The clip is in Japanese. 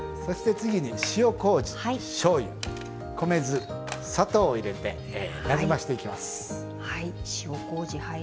次に塩こうじ、しょうゆ米酢、砂糖を入れてなじませていきます。